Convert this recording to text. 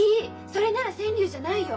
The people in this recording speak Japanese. それなら川柳じゃないよ。